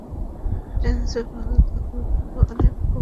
Transvaal দল ফলো-অনের কবলে পড়ে।